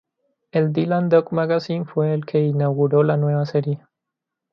El "Dylan Dog Magazine" fue el que inauguró la nueva serie.